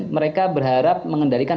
mereka berharap mengendalikan